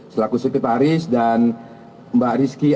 selaku sekretaris dan mbak rizky